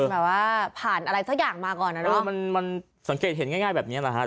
แบบว่าผ่านอะไรสักอย่างมาก่อนนะเนอะมันมันสังเกตเห็นง่ายแบบนี้แหละฮะ